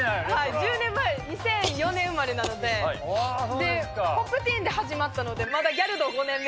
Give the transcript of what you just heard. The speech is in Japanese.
１０年前、２００４年生まれなので、ポップティーンで始まったので、まだギャル道５年目。